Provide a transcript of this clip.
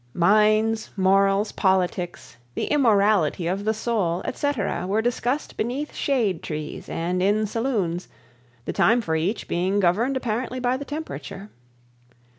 Mines, morals, politics, the immortality of the soul, etc., were discussed beneath shade trees and in saloons, the time for each being governed apparently by the temperature.